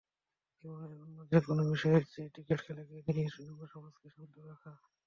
জীবনের অন্য যেকোনো বিষয়ের চেয়ে ক্রিকেট খেলাকে দিয়ে যুবসমাজকে শান্ত রাখা।